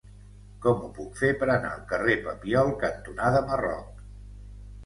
Com ho puc fer per anar al carrer Papiol cantonada Marroc?